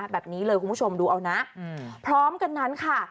แบบนี้เลยคุณผู้ชมดูเอานะพร้อมกันนั้นค่ะ